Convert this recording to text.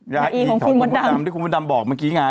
อีของมดดำที่คุณพระดำบอกเมื่อกี้ไง